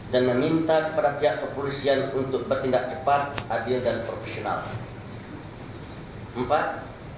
dan meminta kepada pihak kepolisian untuk bertindak cepat